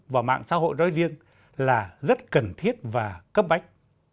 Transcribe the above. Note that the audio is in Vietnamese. và mạng xã hội nói riêng là rất cần thiết và cấp bách